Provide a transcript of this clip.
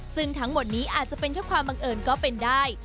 ซึ่งทั้งหมดนี้อาจจะเป็นแค่ความบังเอิญก็เป็นได้